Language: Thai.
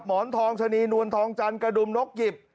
หมอนทองชะนีนวลทองจันทร์กระดุมนกหยิบ